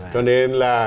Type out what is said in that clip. cho nên là